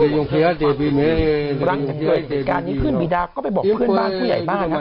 รังจากเกิดการนี้เพื่อนบีดากก็ไปบอกเพื่อนบ้านผู้ใหญ่บ้างครับ